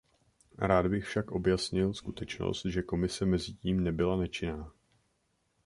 Rád bych však objasnil skutečnost, že Komise mezitím nebyla nečinná.